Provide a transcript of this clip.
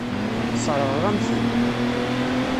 Sseṛɣeɣ-am-ten.